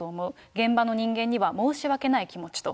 現場の人間には申し訳ない気持ちと。